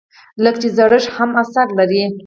لکه چې زړښت هم اثر لري.